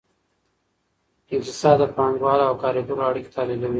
اقتصاد د پانګوالو او کارګرو اړیکې تحلیلوي.